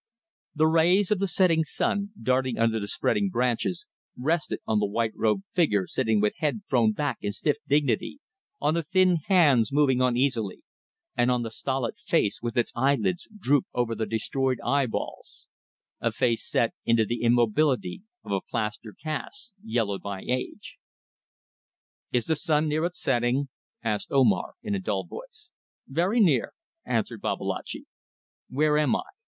The rays of the setting sun, darting under the spreading branches, rested on the white robed figure sitting with head thrown back in stiff dignity, on the thin hands moving uneasily, and on the stolid face with its eyelids dropped over the destroyed eyeballs; a face set into the immobility of a plaster cast yellowed by age. "Is the sun near its setting?" asked Omar, in a dull voice. "Very near," answered Babalatchi. "Where am I?